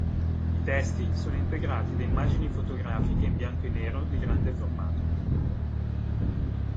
I testi sono integrati da immagini fotografiche in bianco e nero di grande formato.